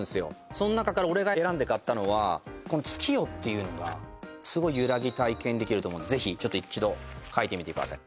その中から俺が選んで買ったのはこの月夜っていうのがすごいゆらぎ体験できると思うんでぜひ一度書いてみてください